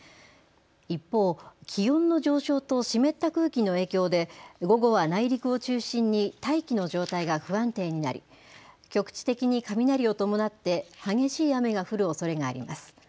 一方、気温の上昇と湿った空気の影響で午後は内陸を中心に大気の状態が不安定になり局地的に雷を伴って激しい雨が降るおそれがあります。